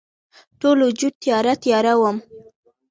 ټول وجود تیاره، تیاره وم